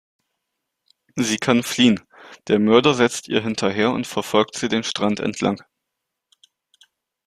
Sie kann fliehen; der Mörder setzt ihr hinterher und verfolgt sie den Strand entlang.